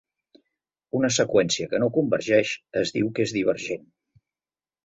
Una seqüència que no convergeix es diu que és divergent.